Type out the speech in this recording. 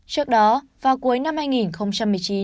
trước đó vào cuối năm hai nghìn một mươi chín